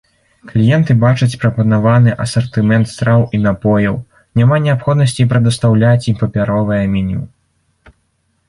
Кліенты бачаць прапанаваны асартымент страў і напояў, няма неабходнасці прадастаўляць ім папяровае меню.